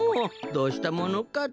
どうしたものかと。